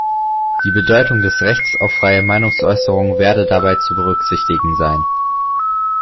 Die Bedeutung des Rechts auf freie Meinungsäußerung werde dabei zu berücksichtigen sein.